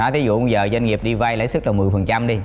thí dụ giờ doanh nghiệp đi vay lãi suất là một mươi đi